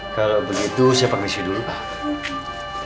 kalau begitu saya permisi dulu pak